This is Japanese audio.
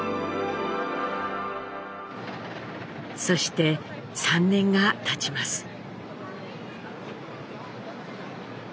そして３年がたちます。